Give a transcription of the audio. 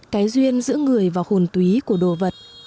cái duyên giữa người và hồn túy của đồ vật